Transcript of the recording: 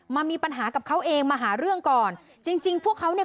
มีปัญหากับเขาเองมาหาเรื่องก่อนจริงจริงพวกเขาเนี่ย